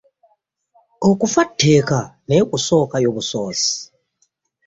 Okufa tteeka naye kusookayo busoosi.